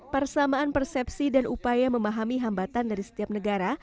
persamaan persepsi dan upaya memahami hambatan dari setiap negara